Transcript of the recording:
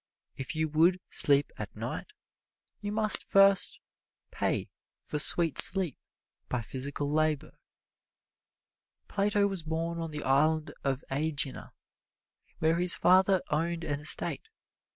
If you would sleep at night, you must first pay for sweet sleep by physical labor. Plato was born on the Island of Ægina, where his father owned an estate.